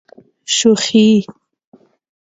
شوخي.